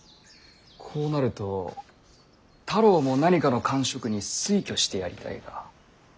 こうなると太郎も何かの官職に推挙してやりたいが。